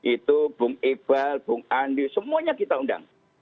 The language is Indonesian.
itu bung ibal bung andi semuanya kita undang